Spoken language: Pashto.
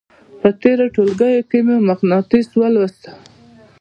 په تېرو ټولګیو کې مو مقناطیس ولوستل.